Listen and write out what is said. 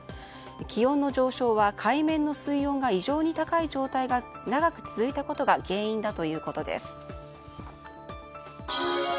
気温の上昇は、海面の水温が異常に高い状態が長く続いたことが原因だということです。